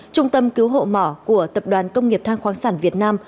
trung tâm cứu hộ mỏ của tập đoàn công nghiệp thang khoáng sản việt nam